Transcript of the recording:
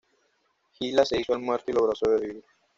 Gila se hizo el muerto y logró sobrevivir.